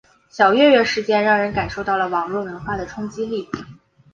小月月事件让人感受到了网络文化的冲击力。